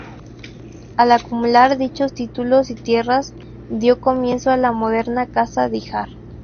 Al acumular dichos títulos y tierras dio comienzo a la moderna Casa de Híjar.